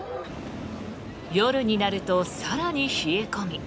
夜になると更に冷え込み。